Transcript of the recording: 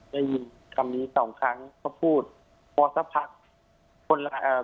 ได้ยินคำนี้สองครั้งก็พูดพอสักพักคนละเอ่อ